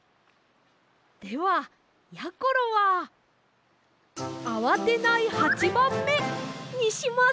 ではやころはあわてない八番目！にします！